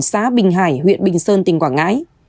xã bình hải huyện bình sơn tỉnh quảng ngãi